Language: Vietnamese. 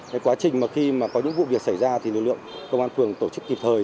cái quá trình mà khi mà có những vụ việc xảy ra thì lực lượng công an phường tổ chức kịp thời